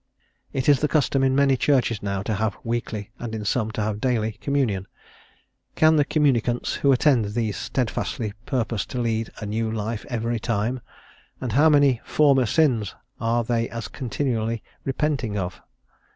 It is the custom in many churches now to have weekly, and in some to have daily, communion; can the communicants who attend these steadfastly purpose to lead a new life every time? and how many "former sins" are they as continually repenting of?